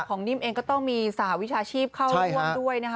นิ่มเองก็ต้องมีสหวิชาชีพเข้าร่วมด้วยนะคะ